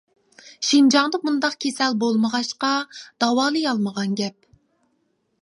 شىنجاڭدا بۇنداق كېسەل بولمىغاچقا، داۋالىيالمىغان گەپ.